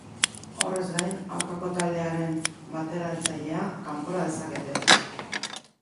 Horrez gain, aurkako taldearen bateratzailea kanpora dezakete.